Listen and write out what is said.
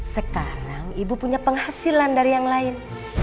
sekarang ibu punya penghasilan dari yang lain